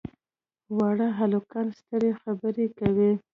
واړه هلکان سترې خبرې کوي.